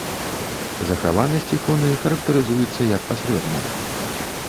Захаванасць іконы характарызуецца як пасрэдная.